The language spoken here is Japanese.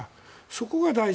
そこが大事。